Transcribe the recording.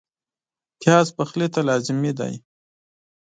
پیاز پخلي ته لازمي دی